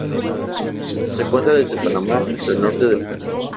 Se encuentra desde Panamá hasta el norte del Perú.